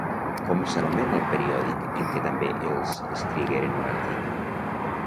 Com s'anomena el periòdic en què també els escrigueren un article?